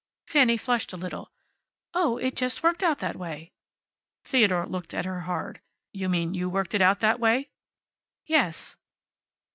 Fanny flushed a little. "Oh, it just worked out that way." Theodore looked at her hard. "You mean you worked it out that way?" "Yes."